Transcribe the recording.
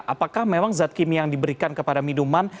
apakah memang zat kimia yang diberikan kepada minuman